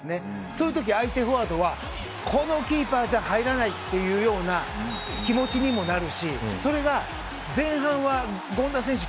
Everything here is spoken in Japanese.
そういう時、相手フォワードはこのキーパーじゃ入らないというような気持にもなるしそれが前半は権田選手